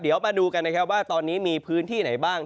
เดี๋ยวมาดูกันนะครับว่าตอนนี้มีพื้นที่ไหนบ้าง